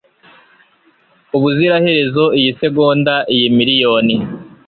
ubuziraherezo iyi segonda iyi miliyoni